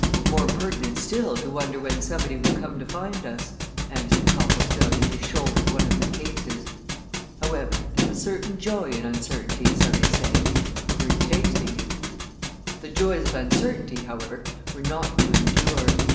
"More pertinent still to wonder when somebody will come to find us," answered Copplestone as he shouldered one of the cases. "However, there's a certain joy in uncertainty, so they say we're tasting it." The joys of uncertainty, however, were not to endure.